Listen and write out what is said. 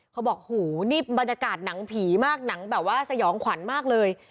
เขาบอกหูนี่บรรยากาศหนังผีมากหนังแบบว่าสยองขวัญมากเลย